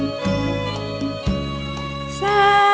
ไม่ใช้ค่ะ